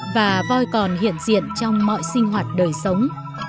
và voi còn hiện diện trong mọi sinh hoạt đời sống